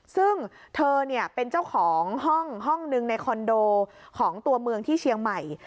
ซึ่งเธอเป็นเจ้าของห้องหนึ่งในคอนโดของตัวเมืองที่เชียงใหม่